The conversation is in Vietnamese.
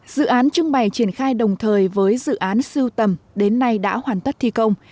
dự án trưng bày triển khai đồng thời với dự án sưu tầm đến nay đã hoàn tất thi công